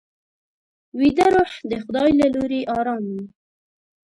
ویده روح د خدای له لوري ارام وي